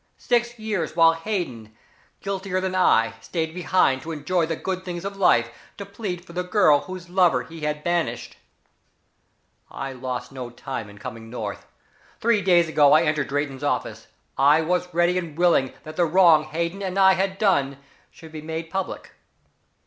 Six years, while Hayden, guiltier than I, stayed behind to enjoy the good things of life, to plead for the girl whose lover he had banished. "I lost no time in coming north. Three days ago I entered Drayton's office. I was ready and willing that the wrong Hayden and I had done should be made public.